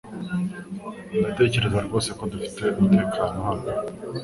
Ndatekereza rwose ko dufite umutekano hano .